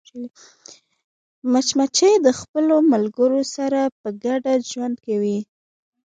مچمچۍ د خپلو ملګرو سره په ګډه ژوند کوي